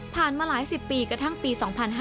ผ่านมาหลายสิบปีกระทั่งปี๒๕๔๓